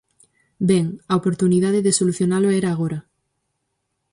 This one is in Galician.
Ben, a oportunidade de solucionalo era agora.